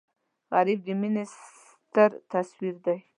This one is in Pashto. غریب د مینې ستر تصویر دی